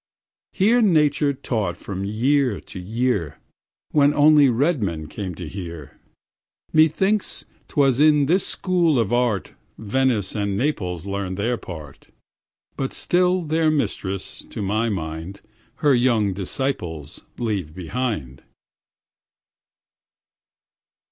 Here Nature taught from year to year, When only red men came to hear, Methinks 't was in this school of art Venice and Naples learned their part, But still their mistress, to my mind, Her young disciples leaves behind.